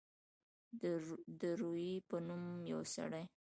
د روي په نوم یو سړی.